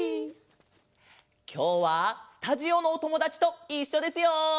きょうはスタジオのおともだちといっしょですよ！